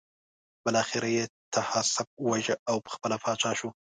بالاخره یې طاهاسپ وواژه او پخپله پاچا شو.